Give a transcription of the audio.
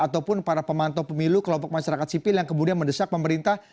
ataupun para pemantau pemilu kelompok masyarakat sipil yang kemudian mendesak pemerintah